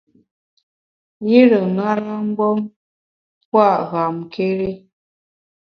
Yire ṅara-mgbom pua’ ghamkéri.